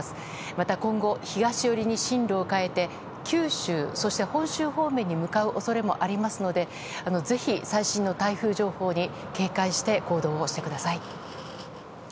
また今後、東寄りに進路を変えて九州そして本州方面に向かう恐れもありますのでぜひ最新の台風情報に警戒して行動をしてください。